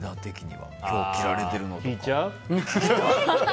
今日着られてるの。